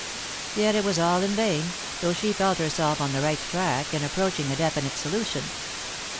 Yet it was all in vain, though she felt herself on the right track and approaching a definite solution.